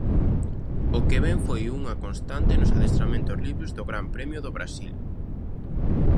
O que ven foi unha constante nos adestramentos libres do Gran Premio do Brasil.